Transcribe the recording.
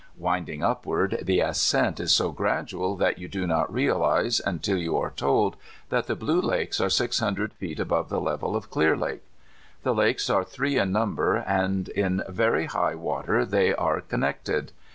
Windin.g uprward, the ascent is so gradual that you do not realize, until you are told, that the Blue Lakes are six hundred feet above the level of Clear Lake. The lakes are three in number, and in very high water they are connected.